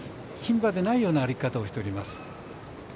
牝馬でないような歩き方をしております。